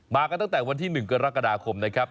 กันตั้งแต่วันที่๑กรกฎาคมนะครับ